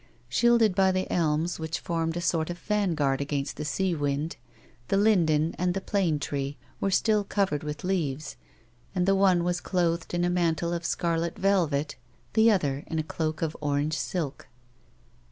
Shielded by the elms which formed a sort of vanguard against the sea wind, the linden and the plane tree were still covered with leaves, and the one was clothed in a mantle of scarlet velvet, the other in a cloak of orange silk.